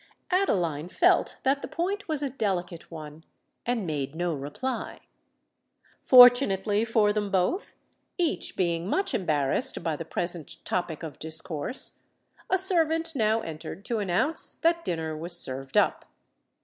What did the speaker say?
Adeline felt that the point was a delicate one, and made no reply. Fortunately for them both, each being much embarrassed by the present topic of discourse, a servant now entered to announce that dinner was served up.